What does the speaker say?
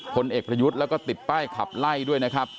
ผลเอกประยุทธ์แล้วก็ติดป้ายขับไล่ด้วยนะครับ